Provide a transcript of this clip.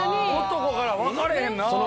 男からわかれへんなぁ。